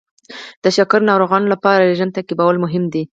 د شکر ناروغانو لپاره رژیم تعقیبول مهم دي.